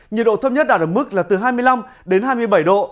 nhiệt độ thấp nhất đạt ở mức là từ hai mươi năm đến hai mươi bảy độ